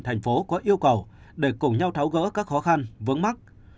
thành phố có yêu cầu để cùng nhau tháo gỡ các khó khăn vướng mắt